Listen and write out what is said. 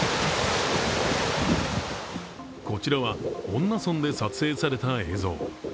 こちらは恩納村で撮影された映像。